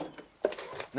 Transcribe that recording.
何？